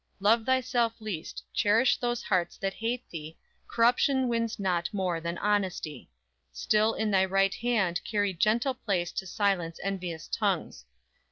Love thyself least; cherish those hearts that hate thee; Corruption wins not more than honesty! Still in thy right hand carry gentle place To silence envious tongues.